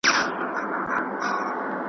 له بدیو به تر مرګه خلاصېدلای .